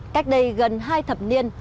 cách đây gần hai thập niên